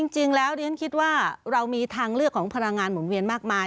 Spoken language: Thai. จริงแล้วเรามีทางเลือกของพลังงานหมุนเวียนมากมาย